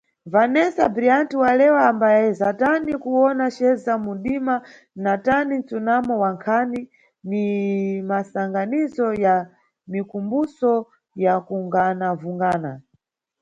Vanessa Bryant walewa ambayeza tani kuwona ceza mumʼdima na tani "nsunamo wa nkhawa ni masanganizo ya mikumbuso ya kunganavungana".